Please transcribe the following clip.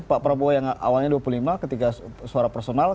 pak prabowo yang awalnya dua puluh lima ketika suara personal